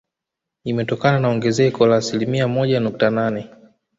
Imetokana na ongezeko la asilimia moja nukta nane